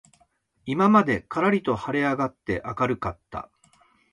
今までからりと晴はれ上あがって明あかるかった